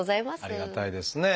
ありがたいですね。